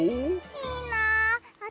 いいなあ。